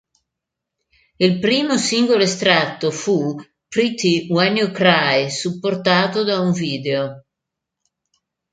Il primo singolo estratto fu "Pretty When You Cry", supportato da un video.